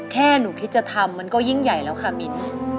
แค่หนูคิดจะทำมันก็ยิ่งใหญ่แล้วค่ะมิน